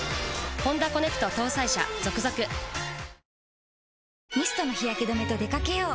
わかるぞミストの日焼け止めと出掛けよう。